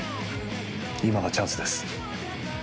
今がチャンスです。